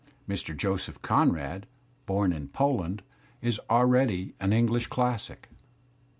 Mr. Joseph Conrad, bom in Poland,. is already an English classic.